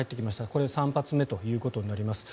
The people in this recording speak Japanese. これが３発目ということになります。